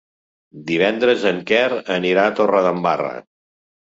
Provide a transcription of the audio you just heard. Divendres en Quer anirà a Torredembarra.